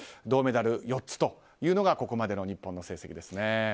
銅メダル４つというのがここまでの日本の成績ですね。